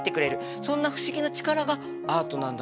そんな不思議な力がアートなんだと思います。